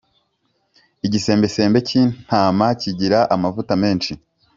igisembesembe k’intama kigira amavuta menshi